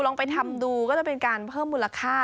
ลองไปทำดูก็จะเป็นการเพิ่มมูลค่า